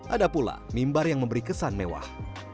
ada pula mimbar yang memberi kesan mewah